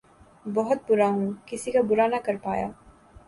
بہت بُرا ہُوں! کسی کا بُرا نہ کر پایا